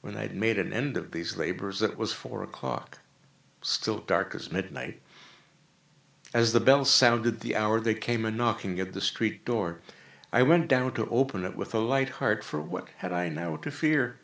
When I had made an end of these labors, it was four o'clock—still dark as midnight. As the bell sounded the hour, there came a knocking at the street door. I went down to open it with a light heart,—for what had I now to fear?